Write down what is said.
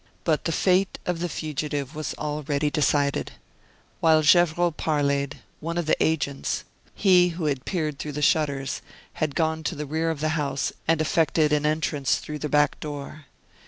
But the fate of the fugitive was already decided. While Gevrol parleyed, one of the agents he who had peered through the shutters had gone to the rear of the house and effected an entrance through the back door.